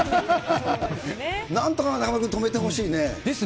なんとか中丸君、止めてほしいね。ですね。